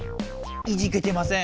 イジけてません。